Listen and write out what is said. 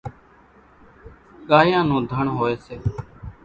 ڳايان نون ڌڻ هوئيَ سي۔